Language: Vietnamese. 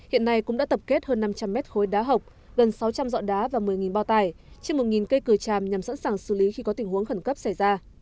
hiện nay cũng đã tập kết hơn năm trăm linh mét khối đá hộc gần sáu trăm linh dọ đá và một mươi bao tải trên một cây cửa tràm nhằm sẵn sàng xử lý khi có tình huống khẩn cấp xảy ra